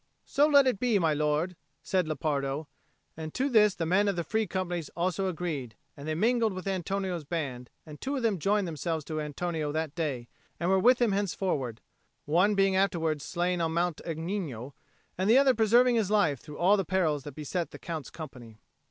"So let it be, my lord," said Lepardo; and to this the men of the Free Companies also agreed, and they mingled with Antonio's band, and two of them joined themselves to Antonio that day, and were with him henceforward, one being afterwards slain on Mount Agnino, and the other preserving his life through all the perils that beset the Count's company.